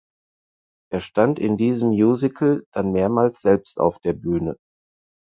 Er stand in diesem Musical dann mehrmals selbst auf der Bühne.